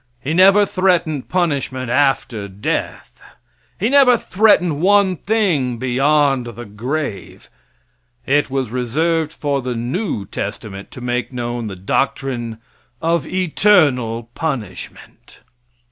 He never threatened punishment after death. He never threatened one thing beyond the grave. It was reserved for the new testament to make known the doctrine of eternal punishment.